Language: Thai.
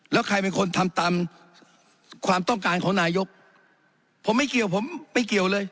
แล้วใครเป็นคนทำตามความต้องการของนายกผมไม่เกี่ยวผมไม่เกี่ยวเลย